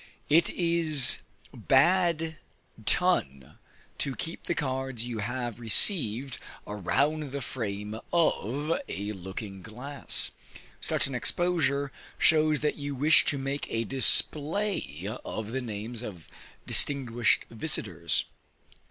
It is bad ton to keep the cards you have received around the frame of a looking glass; such an exposure shows that you wish to make a display of the names of distinguished visiters.